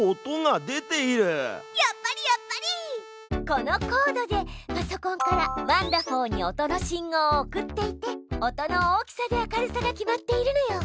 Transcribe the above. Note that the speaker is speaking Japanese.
このコードでパソコンからワンだふぉーに音の信号を送っていて音の大きさで明るさが決まっているのよ。